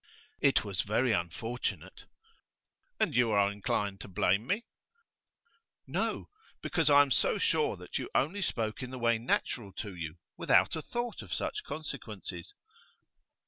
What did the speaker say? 'It was very unfortunate.' 'And you are inclined to blame me?' 'No; because I am so sure that you only spoke in the way natural to you, without a thought of such consequences.